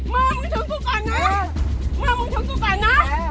เมื่อมึงชุกกูก่อนนะ